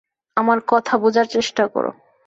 আমার কথা বোঝার চেষ্টা করো।